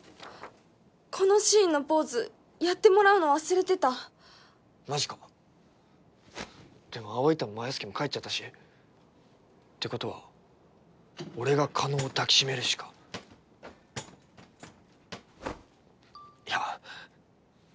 このシーンのポーズやってもらうの忘れてたマジかでも葵太もマヤ助も帰っちゃったしということは俺が叶を抱きしめるしかいや無理だよな